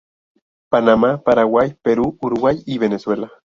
Panamá, Paraguay, Perú, Uruguay y Venezuela.